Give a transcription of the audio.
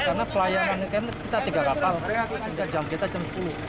karena pelayanan kita tiga kapal jam kita jam sepuluh